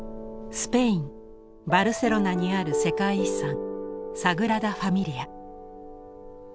スペインバルセロナにある世界遺産サグラダ・ファミリア。